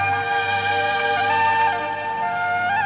nih ini bang